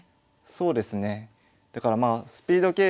そうですね。